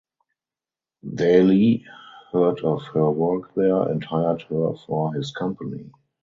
Daly heard of her work there and hired her for his company.